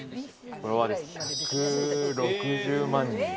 フォロワーは１６０万人。